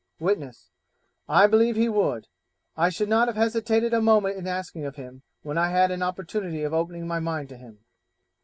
Witness 'I believe he would: I should not have hesitated a moment in asking of him when I had had an opportunity of opening my mind to him.'